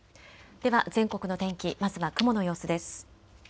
では全国の天気、まずは雲の様子です。